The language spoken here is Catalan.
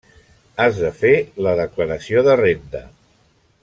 Has de fer la declaració de renda.